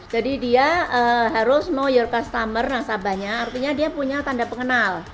jadi dia harus know your customer nasabahnya artinya dia punya tanda pengenal